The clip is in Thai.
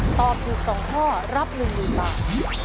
ตอบถูก๒ข้อรับ๑๐๐๐บาท